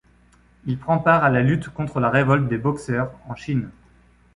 Il prend part à la lutte contre la révolte des Boxers en Chine.